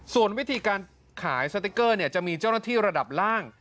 ส่วนวิธีการขายสติ๊กเกอร์จะมีเจ้าหน้าที่ระดับล่าง